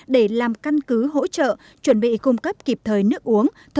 để làm căn cứ hỗ trợ chuẩn bị cung cấp kịp thời nước uống